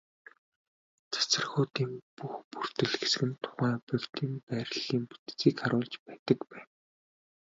Цацрагуудын бүх бүрдэл хэсэг нь тухайн объектын байрлалын бүтцийг харуулж байдаг байна.